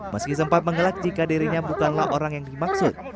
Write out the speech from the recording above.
meski sempat mengelak jika dirinya bukanlah orang yang dimaksud